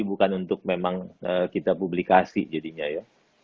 bukan untuk memang kita publikasi jadinya ya